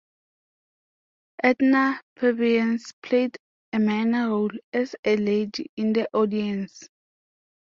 Edna Purviance played a minor role as a lady in the audience.